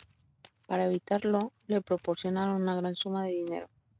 Para evitarlo, le proporcionaron una gran suma de dinero.